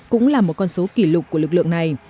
cũng là một con số kỷ lục của lực lượng này